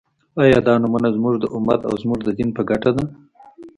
آیا دا نومؤنه زموږ د امت او زموږ د دین په ګټه ده؟